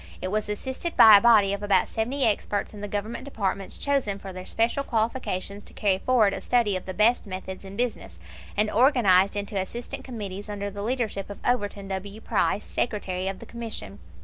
It was assisted by a body of about seventy experts in the Government departments chosen for their special qualifications to carry forward a study of the best methods in business, and organized into assistant committees under the leadership of Overton W. Price, Secretary of the Commission.